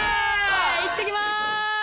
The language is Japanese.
いってきます。